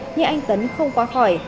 nhưng anh tấn không qua khỏi